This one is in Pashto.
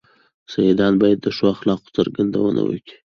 سيدان بايد د ښو اخلاقو څرګندونه وکي.